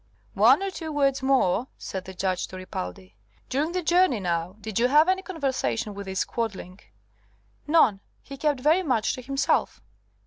"One or two words more," said the Judge to Ripaldi. "During the journey, now, did you have any conversation with this Quadling?" "None. He kept very much to himself."